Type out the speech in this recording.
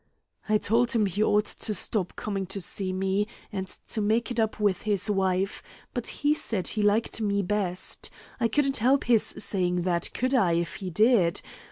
"I told him he ought to stop coming to see me, and to make it up with his wife, but he said he liked me best. I couldn't help his saying that, could I, if he did?